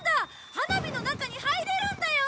花火の中に入れるんだよ！